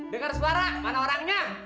dengar suara mana orangnya